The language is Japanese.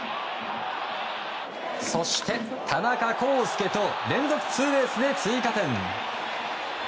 そして、田中広輔と連続ツーベースで追加点。